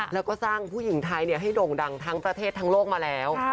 แล้วก็สร้างผู้หญิงไทยให้โด่งดังทั้งประเทศทั้งโลกมาแล้ว